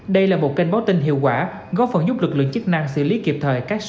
đây là một kênh báo tin hiệu quả góp phần giúp lực lượng chức năng xử lý kịp thời các sự cố của người dân